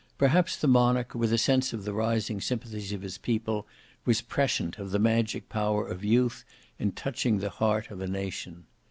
Perhaps the monarch, with a sense of the rising sympathies of his people, was prescient of the magic power of youth in touching the heart of a nation.